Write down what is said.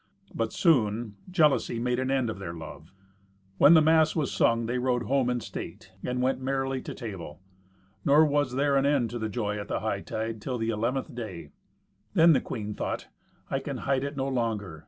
But soon jealousy made an end of their love. When the mass was sung they rode home in state, and went merrily to table. Nor was there an end of joy at the hightide till the eleventh day. Then the queen thought, "I can hide it no longer.